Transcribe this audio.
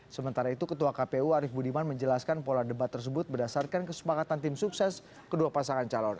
sementara itu ketua kpu arief budiman menjelaskan pola debat tersebut berdasarkan kesepakatan tim sukses kedua pasangan calon